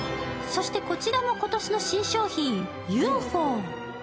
そして、こちらも今年の新商品、ユーフォー。